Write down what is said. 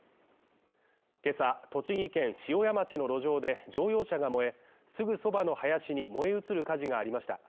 今朝栃木県塩谷町の路上で乗用車が燃え、すぐそばの林に燃え移る火事がありました。